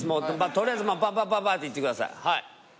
とりあえずバンバンっていってくださいはい。